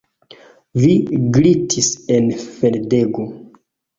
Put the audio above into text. Vi glitis en fendego.